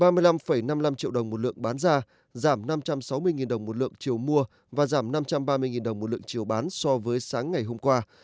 giảm năm trăm sáu mươi đồng một lượng chiều mua và giảm năm trăm ba mươi đồng một lượng chiều bán so với sáng ngày hôm qua